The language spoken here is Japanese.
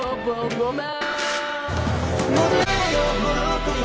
ごめん」。